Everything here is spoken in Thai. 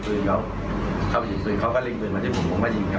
ฟื้นเขาเข้าไปหยิบฟื้นเขาก็เร่งฟื้นมาที่ผมผมก็ยิงครับไม่เคยเป็นปัญหา